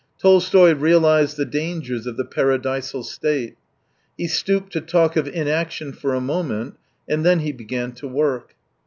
Tolstoy realised the dangers of the paradisal state. He stooped to talk of inaction for a moment — and then he began to work.